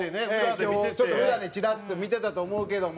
今日ちょっと裏でチラッと見てたと思うけども。